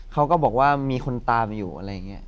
เขาก็บอกว่ามีคนตามอยู่อะไรอย่างนี้